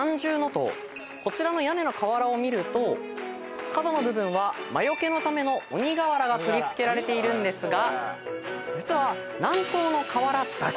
こちらの屋根の瓦を見ると角の部分は魔よけのための鬼瓦が取り付けられているんですが実は。